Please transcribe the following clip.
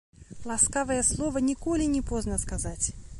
Ласкавае слова ніколі не позна сказаць.